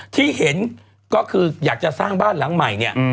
ที่เห็นก็คืออยากจะสร้างบ้านหลังใหม่เนี่ย